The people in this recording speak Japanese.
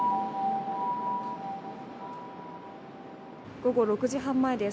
午後６時半前です。